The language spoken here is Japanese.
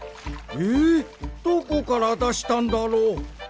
えっどこからだしたんだろう？